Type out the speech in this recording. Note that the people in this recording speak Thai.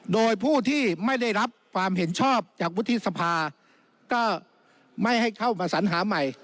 โดยผู้ที่ไม่ได้รับความเห็นชอบจากวุฒิสภาก็ไม่ให้เข้ามาสัญหาใหม่